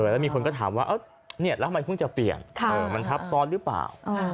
แล้วมีคนก็ถามว่าแล้วทำไมเพิ่งจะเปลี่ยนมันทับซ้อนหรือเปล่า